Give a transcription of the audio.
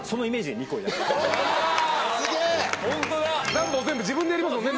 ランボー全部自分でやりますもんね。